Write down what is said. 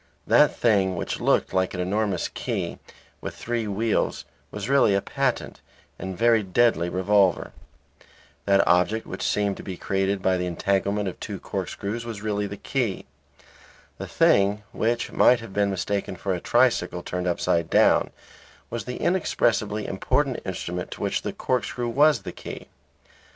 That thing which looked like an enormous key with three wheels was really a patent and very deadly revolver. That object which seemed to be created by the entanglement of two corkscrews was really the key. The thing which might have been mistaken for a tricycle turned upside down was the inexpressibly important instrument to which the corkscrew was the key.